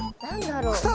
何だろう？